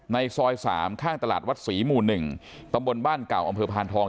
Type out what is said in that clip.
ในซอย๓ข้างตลาดวัดศรีหมู่๑ตำบลบ้านเก่าอำเภอพานทอง